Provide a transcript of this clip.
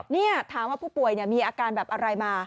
นี่ถามว่าผู้ป่วยมีอาการแบบอะไรมา